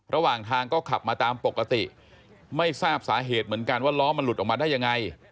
ระหว่างทางก็ขับมาตามปกติไม่ทราบสาเหตุเหมือนกันว่าล้อมันหลุดออกมาได้ยังไง